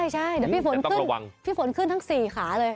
ใช่แต่พี่ฝนขึ้นทั้ง๔ขาเลย